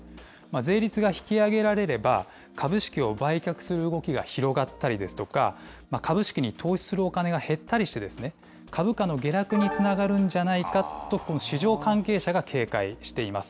税率が引き上げられれば、株式を売却する動きが広がったり、株式に投資するお金が減ったりして、株価の下落につながるんじゃないかと、市場関係者が警戒しています。